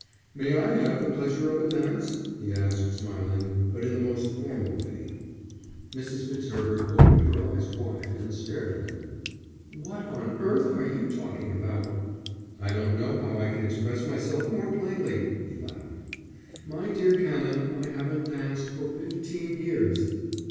"May I have the pleasure of a dance?" he asked, smiling, but in the most formal way. Mrs. Fitzherbert opened her eyes wide and stared at him. "What on earth are you talking about?" "I don't know how I can express myself more plainly," he laughed. "My dear Canon, I haven't danced for fifteen years."